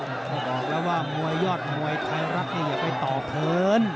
บอกแล้วว่ามวยยอดมวยไทยรัฐอย่าไปต่อเขิน